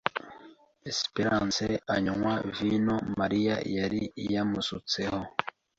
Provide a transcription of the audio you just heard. Esperance anywa vino Mariya yari yamusutseho.